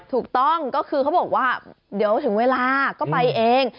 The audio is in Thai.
ถูกต้องก็คือเขาบอกว่าเดี๋ยวถึงเวลาก็ไปเอง